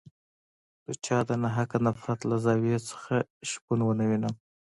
د چا د ناحقه نفرت له زاویې څخه شپون ونه وینم.